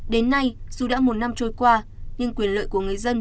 đến nay dù đã một năm trôi qua nhưng quyền lợi của người dân